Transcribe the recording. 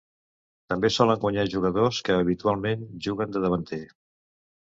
També solen guanyar jugadors que habitualment juguen de davanter.